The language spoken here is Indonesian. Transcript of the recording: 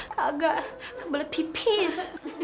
kagak kebelet pipis